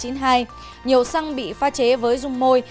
nhiều xăng bị pha chế với dung môi